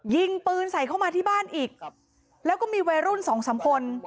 ยิงปืนใส่เข้ามาที่บ้านอีกแล้วก็มีวัยรุ่นสองสามคน